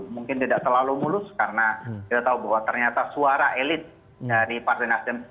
mungkin tidak terlalu mulus karena kita tahu bahwa ternyata suara elit dari partai nasdem